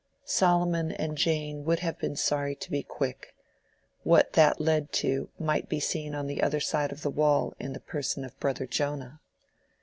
Solomon and Jane would have been sorry to be quick: what that led to might be seen on the other side of the wall in the person of Brother Jonah.